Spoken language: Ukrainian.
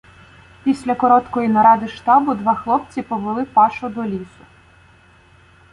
Після короткої наради штабу два хлопці повели Пашу до лісу.